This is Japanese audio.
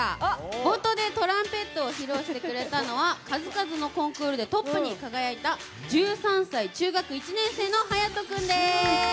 冒頭でトランペットを披露してくれたのは数々のコンクールでトップに輝いた１３歳中学１年生のはやと君です！